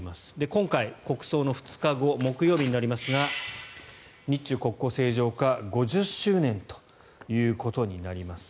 今回、国葬の２日後木曜日になりますが日中国交正常化５０周年ということになります。